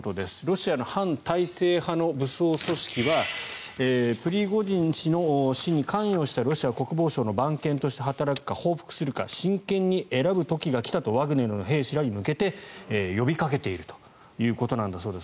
ロシアの反体制派の武装組織はプリゴジン氏の死に関与したロシア国防省の番犬として働くか報復するか真剣に選ぶ時が来たとワグネルの兵士らに向けて呼びかけているということなんだそうです。